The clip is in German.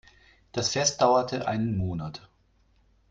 Das Fest dauerte einen Monat.